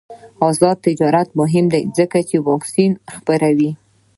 آزاد تجارت مهم دی ځکه چې واکسین خپروي.